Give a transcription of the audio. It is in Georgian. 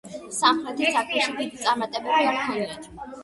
სამხრეთის საქმეში დიდი წარმატებები არ ჰქონია.